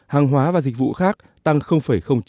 hàng hóa và dịch vụ khác tăng năm